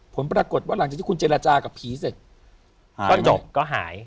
ผลปรากฏว่าหลังจากที่คุณเจรจากับผีเสร็จต้นจบก็หาย